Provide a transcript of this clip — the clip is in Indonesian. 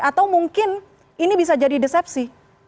atau mungkin ini bisa jadi desepsi